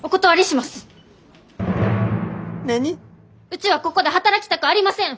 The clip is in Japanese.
うちはここで働きたくありません！